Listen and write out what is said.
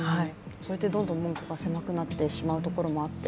そうやってどんどん門戸が狭くなってしまうところもあって。